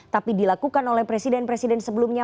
tapi dilakukan oleh presiden presiden sebelumnya